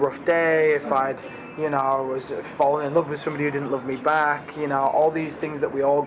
jika saya mengalami hari yang sukar jika saya menikah dengan seseorang yang tidak mencintai saya semua hal yang saya lalui